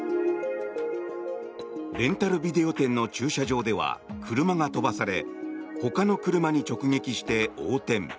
レンタルビデオ店の駐車場では車が飛ばされほかの車に直撃して横転。